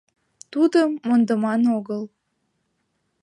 Тудым мондыман огыл.